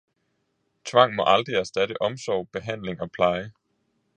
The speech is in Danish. Tvang må aldrig erstatte omsorg, behandling og pleje.